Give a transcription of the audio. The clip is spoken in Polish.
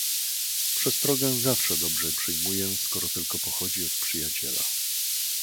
"Przestrogę zawsze dobrze przyjmuję, skoro tylko pochodzi od przyjaciela."